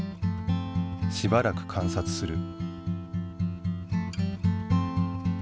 しばらく観察する。